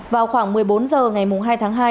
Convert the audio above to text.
vào khoảng một mươi bốn h ngày hai tháng hai